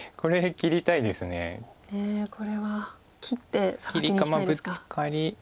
切りかブツカリ。